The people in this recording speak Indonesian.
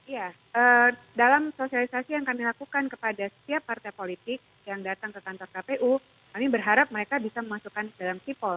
ya dalam sosialisasi yang kami lakukan kepada setiap partai politik yang datang ke kantor kpu kami berharap mereka bisa memasukkan dalam sipol